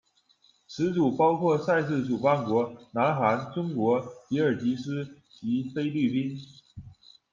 此组包括赛事主办国南韩、中国、吉尔吉斯及菲律宾。